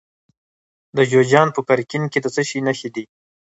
د جوزجان په قرقین کې د څه شي نښې دي؟